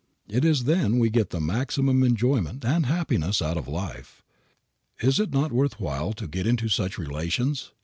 It is then we get the maximum of enjoyment and happiness out of life. Is it not worth while to get into such relations?